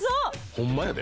ホンマやで。